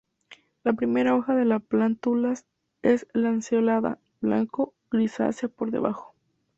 La primera hoja de las plántulas es lanceolada, blanco-grisácea por debajo.